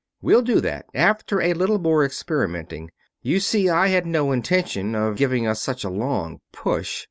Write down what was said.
"We'll do that, after a little more experimenting. You see, I had no intention of giving us such a long push.